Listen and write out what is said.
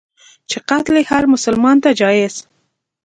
چي قتل یې هرمسلمان ته جایز.